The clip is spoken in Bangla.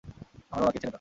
আমার বাবাকে ছেড়ে দাও।